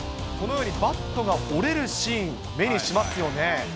このようにバットが折れるシーン、目にしますよね。